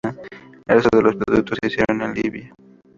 El resto de los productos se hicieron en Libia.